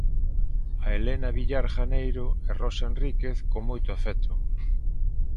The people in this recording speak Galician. A Helena Villar Janeiro e Rosa Enríquez, con moito afecto.